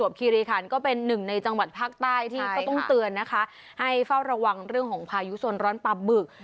บางบัตรภาคใต้ที่ก็ต้องเตือนนะคะให้เฝ้าระวังเรื่องของพายุส่วนร้อนปรับบึก